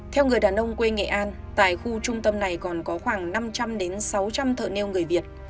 theo người đàn ông quê nghệ an tại khu trung tâm này còn có khoảng năm trăm linh sáu trăm linh thợ neo người việt